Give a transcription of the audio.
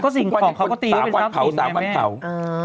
ก็สิ่งของเค้าก็ตี้วสาวเปิดพาวหรือเนี้ยอ๋อ